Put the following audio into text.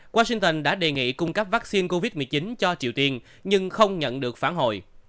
washington đã đề nghị cung cấp vaccine covid một mươi chín cho triều tiên nhưng không nhận được phản hồi